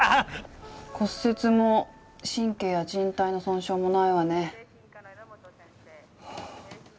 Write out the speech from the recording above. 骨折も神経や靱帯の損傷もないわね。